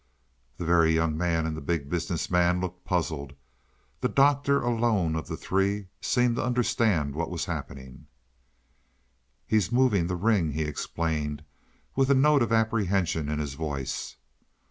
The Very Young Man and the Big Business Man looked puzzled; the Doctor alone of the three seemed to understand what was happening. "He's moving the ring," he explained, with a note of apprehension in his voice.